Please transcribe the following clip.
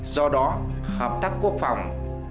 do đó hợp tác quốc phòng